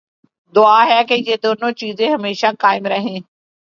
دعا ہے کہ یہ دونوں چیزیں ہمیشہ قائم رہیں۔